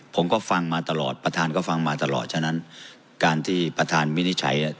ผมก็ฟังมาตลอดประธานก็ฟังมาตลอดฉะนั้นการที่ประธานวินิจฉัย